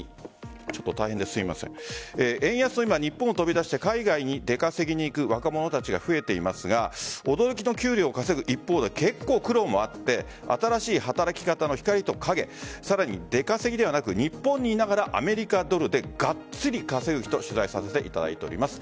さらに円安で今、日本を飛び出して海外に出稼ぎに行く若者たちが増えていますが驚きの給料を稼ぐ一方で結構、苦労もあって新しい働き方の光と影出稼ぎではなく日本にいながらアメリカドルでガッツリ稼ぐ人を取材させていただいております。